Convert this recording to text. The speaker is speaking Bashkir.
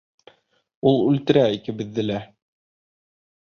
Ул үлтерә икебеҙҙе лә!